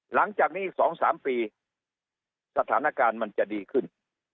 หลังจากนี้อีก๒๓ปีสถานการณ์มันจะดีขึ้น